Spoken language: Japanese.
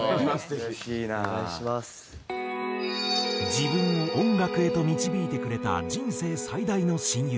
自分を音楽へと導いてくれた人生最大の親友。